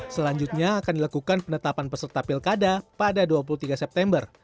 selanjutnya akan dilakukan penetapan peserta pilkada pada dua puluh tiga september